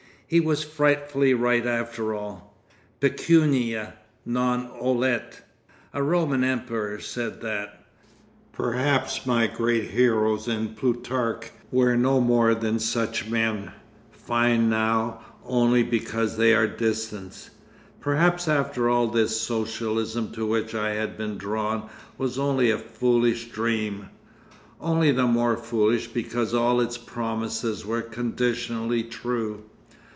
He was frightfully right after all. Pecunia non olet,—a Roman emperor said that. Perhaps my great heroes in Plutarch were no more than such men, fine now only because they are distant; perhaps after all this Socialism to which I had been drawn was only a foolish dream, only the more foolish because all its promises were conditionally true.